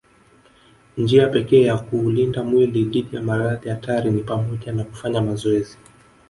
Njia pekee ya kuulinda mwili dhidi ya maradhi hatari ni pamoja na kufanya mazoezi